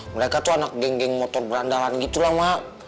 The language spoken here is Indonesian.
mereka tuh anak geng geng motor berandalan gitu lah mak